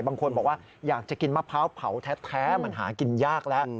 บางคนบอกว่าอยากจะกินมะพร้าวเผาแท้มันหากินยากแล้ว